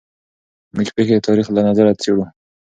موږ پېښې د تاریخ له نظره څېړو.